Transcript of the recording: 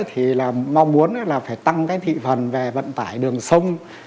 thì là mong muốn là phải tăng cái thị phần về vận tải đường sông